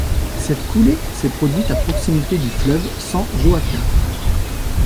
Cette coulée s’est produite à proximité du fleuve San Joaquin.